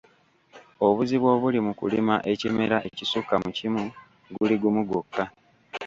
Obuzibu obuli mu kulima ekimera ekisukka mu kimu guli gumu gwokka.